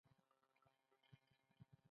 زما وطن افغانستان ده